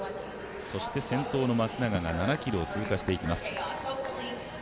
そして先頭の松永が７ｋｍを通過していきます。